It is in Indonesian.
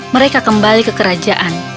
mereka kembali ke kerajaan